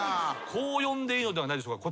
こう呼んでいいのではないでしょうか？